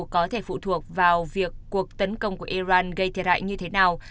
có thể phụ thuộc vào việc cuộc tấn công của iran gây thiệt hại như thế nào